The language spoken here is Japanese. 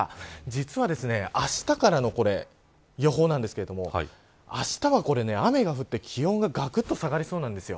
実は、あしたからの予報なんですけれどもあしたは雨が降って気温ががくっと下がりそうなんです。